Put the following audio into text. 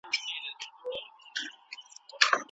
طبي وسایل به تولید سي؟